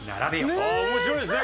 これ面白いですね。